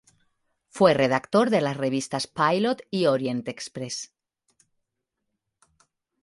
Fue redactor de las revistas "Pilot" y "Orient Express".